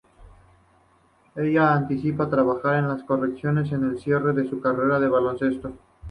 Ella anticipa trabajar en las correcciones en el cierre de su carrera del baloncesto.